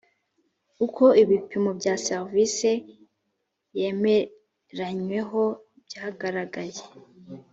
uko ibipimo bya serivisi yemeranyweho byagaragaye